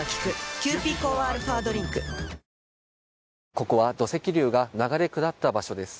ここは土石流が流れ下った場所です。